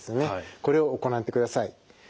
これを行ってください。